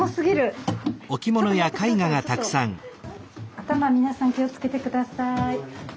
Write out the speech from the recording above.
頭皆さん気をつけて下さい。